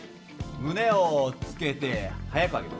胸をつけて速く上げる。